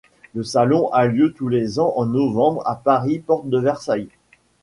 Le salon a lieu tous les ans en novembre à Paris porte de Versailles.